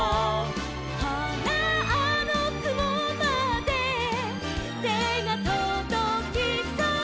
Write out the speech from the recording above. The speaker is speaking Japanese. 「ほらあのくもまでてがとどきそう」